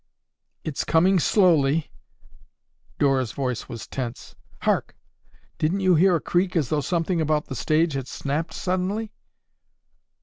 "It's coming slowly." Dora's voice was tense. "Hark! Didn't you hear a creak as though something about the stage had snapped suddenly?"